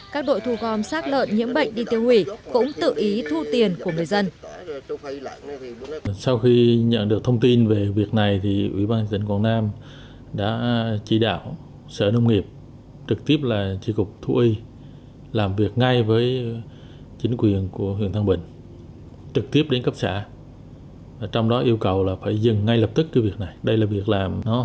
các đội thu gom xác lợn nhiễm bệnh đi tiêu hủy cũng tự ý thu tiền của người dân